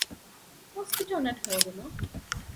މޮސްކިޓޯނެޓް ހޯދުމަށް